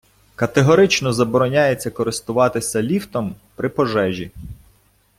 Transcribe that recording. Категорично забороняється користуватися ліфтом при пожежі!